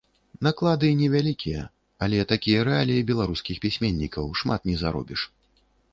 Наклады не вялікія, але такія рэаліі беларускіх пісьменнікаў, шмат не заробіш.